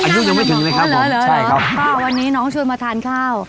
สมัยยึดยังไม่ถึงเลยครับหรือหรือพ่อก็วันนี้น้องชวนมาทานข้าว